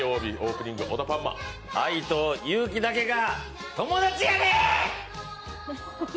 愛と勇気だけが友達やで！